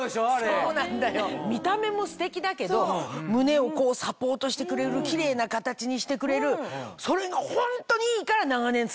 見た目もステキだけど胸をこうサポートしてくれるキレイな形にしてくれるそれがホントにいいから長年使ってんの。